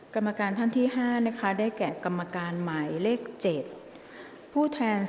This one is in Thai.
กรรมการท่านแรกนะคะได้แก่กรรมการใหม่เลขกรรมการขึ้นมาแล้วนะคะ